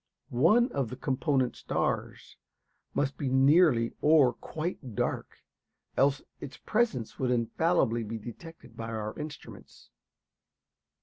One of the component stars must be nearly or quite dark; else its presence would infallibly be detected by our instruments.